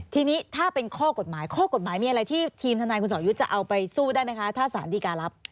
ทีนี้ถ้าเป็นข้อกฎหมายข้อกฎหมายมีอะไรที่ทีมทนายคุณสอยุทธ์จะเอาไปสู้ได้ไหมคะถ้าสารดีการรับ